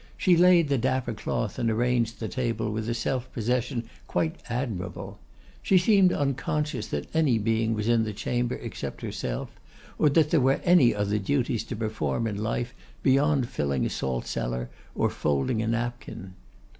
She laid the dapper cloth and arranged the table with a self possession quite admirable. She seemed unconscious that any being was in the chamber except herself, or that there were any other duties to perform in life beyond filling a saltcellar or folding a napkin.